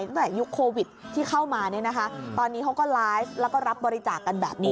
ตั้งแต่ยุคโควิดที่เข้ามาเนี่ยนะคะตอนนี้เขาก็ไลฟ์แล้วก็รับบริจาคกันแบบนี้